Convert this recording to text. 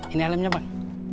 ini elemenya bang